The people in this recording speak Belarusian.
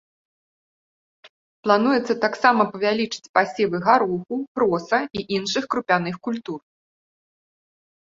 Плануецца таксама павялічыць пасевы гароху, проса і іншых крупяных культур.